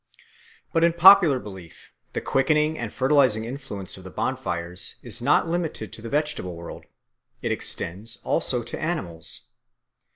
But in popular belief the quickening and fertilising influence of the bonfires is not limited to the vegetable world; it extends also to animals.